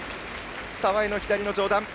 澤江の左の上段。